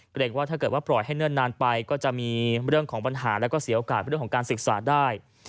เกรงว่าถ้าเกิดว่าปล่อยให้เนิ่นนานไปก็จะมีเรื่องของปัญหาแล้วก็เสียโอกาสเรื่องของการศึกษาได้